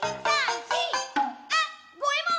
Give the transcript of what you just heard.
「あ、ごえもん！